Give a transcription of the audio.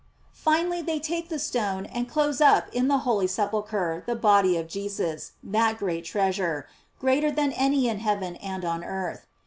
"f Finally, they take the stone and close up in the holy sepulchre the body of Jesus, that great treasure, greater than any in heaven and on earth.